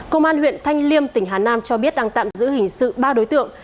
công an huyện thanh liêm tỉnh hà nam cho biết đang tạm giữ hình sự ba đối tượng